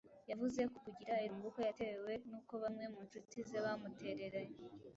Yavuze ku kugira irungu kwe yatewe n’uko bamwe mu ncuti ze bamutereranye